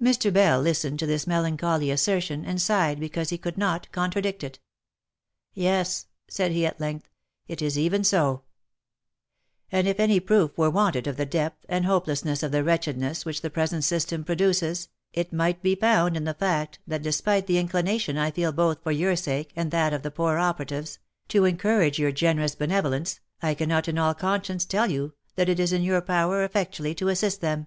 Mr. Bell listened to this melancholy assertion, and sighed because he could not contradict it. " Yes ;" said he, at length, " it is even so ; and if any proof were wanted of the depth and hopelessness of the wretchedness which the present system produces, it might be found in the fact, that despite the inclination I feel both for your sake, and that of the poor operatives, to encourage your generous benevolence, I can not in conscience tell you that it is in your power effectually to assist them.